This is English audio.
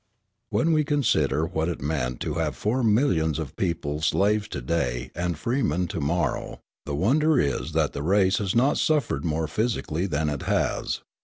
When we consider what it meant to have four millions of people slaves to day and freemen to morrow, the wonder is that the race has not suffered more physically than it has.